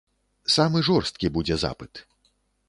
Самы жорсткі будзе запыт.